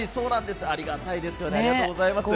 ありがとうございます。